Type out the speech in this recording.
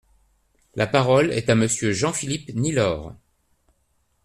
La parole est à Monsieur Jean-Philippe Nilor.